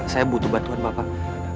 saya butuh bantuan bapak